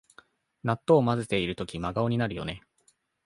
納豆をまぜてるとき真顔になるよね